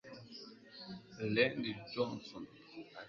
randy johnson